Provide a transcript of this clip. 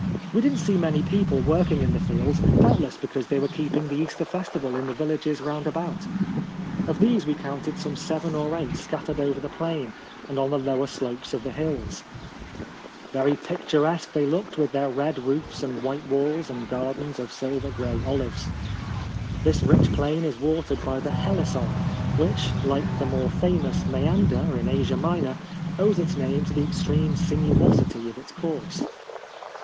We did not see many people working in the fields, doubtless because they were keeping the Easter festival in the villages round about. Of these we counted some seven or 1878.] A Ride across the Peloponnese. 561 eight scattered over the plain, and on the lower slopes of the hills. Very picturesque they looked with their red roofs and white walls, and gardens of silver grey olives. This rich plain is watered hy the Helis son, which, like the more famous Moeander in Asia Minor, owes its name to the extreme sinuosity of its course.